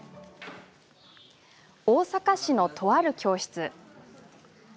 大阪市の、とある教室。